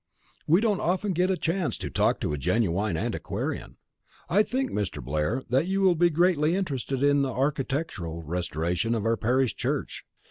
We don't often get a chance to talk to a genuine antiquarian. I think, Mr. Blair, that you will be greatly interested in the architectural restoration of our parish church.